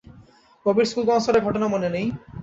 ববির school কনসার্টের ঘটনা মনে নেই?